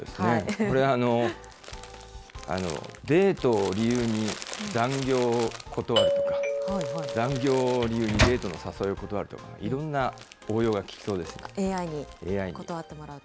これ、デートを理由に残業を断るとか、残業を理由にデートの誘いを断るとか、ＡＩに断ってもらうと。